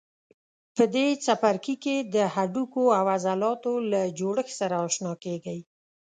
په دې څپرکي کې د هډوکو او عضلاتو له جوړښت سره آشنا کېږئ.